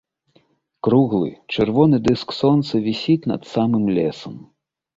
Круглы чырвоны дыск сонца вісіць над самым лесам.